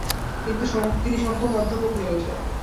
তিনি সম্পূর্ণ অধ্যাপক হয়ে ওঠে।